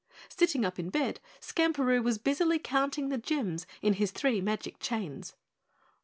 Sitting up in bed, Skamperoo was busily counting the gems in his three magic chains.